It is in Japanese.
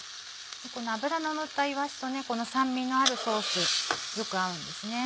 この脂ののったいわしと酸味のあるソースよく合うんです。